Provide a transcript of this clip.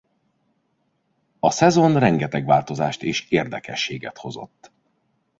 A szezon rengeteg változást és érdekességet hozott.